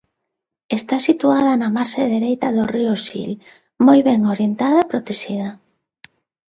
Está situada na marxe dereita do río Sil, moi ben orientada e protexida.